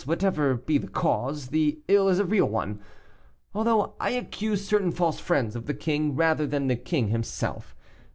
Whatever be the cause, the ill is a real one, although I accuse certain false friends of the king rather than the king himself.